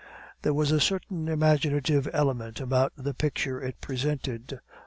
"There was a certain imaginative element about the picture it presented.